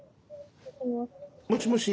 もしもし。